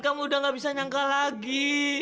kamu udah gak bisa nyangka lagi